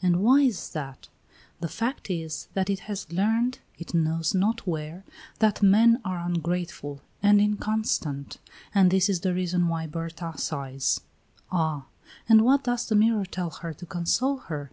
"And why is that?" "The fact is, that it has learned, it knows not where, that men are ungrateful and inconstant, and this is the reason why Berta sighs." "Ah! And what does the mirror tell her to console her?"